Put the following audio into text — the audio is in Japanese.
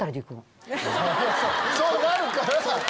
そうなるからさ。